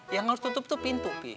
yang harus tutup tuh pintu pi